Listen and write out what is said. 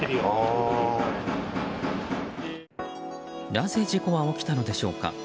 なぜ事故は起きたのでしょうか。